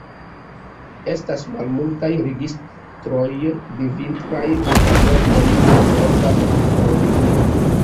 Estas malmultaj registroj de vintraj vagantoj en norda Norvegio.